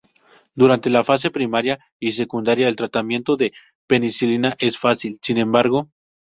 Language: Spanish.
Durante la fase primaria y secundaria, el tratamiento con penicilina es fácil, sin embargo.